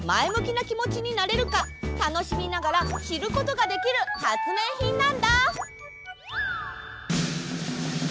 なきもちになれるかたのしみながらしることができるはつめいひんなんだ！